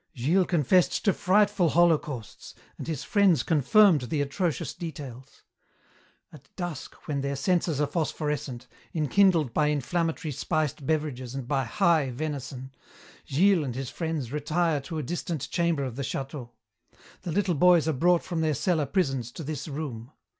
"Gilles confessed to frightful holocausts, and his friends confirmed the atrocious details. "At dusk, when their senses are phosphorescent, enkindled by inflammatory spiced beverages and by 'high' venison, Gilles and his friends retire to a distant chamber of the château. The little boys are brought from their cellar prisons to this room.